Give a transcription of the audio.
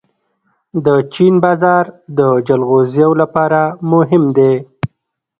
د چین بازار د جلغوزیو لپاره مهم دی.